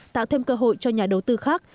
tạo thêm cơ hội cho nhà đầu tư khác